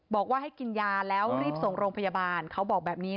บอกว่าให้กินยาแล้วรีบส่งโรงพยาบาลเขาบอกแบบนี้